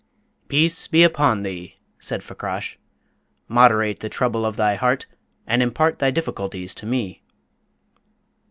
"Peace be upon thee," said Fakrash. "Moderate the trouble of thy heart, and impart thy difficulties to me."